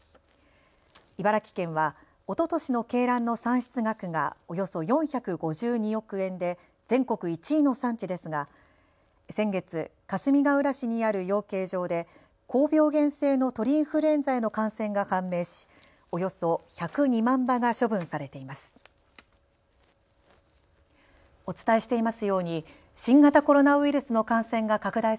茨城県はおととしの鶏卵の産出額がおよそ４５２億円で全国１位の産地ですが先月かすみがうら市にある養鶏場で高病原性の鳥インフルエンザへの感染が判明しおよそ１０２万羽が処分されています。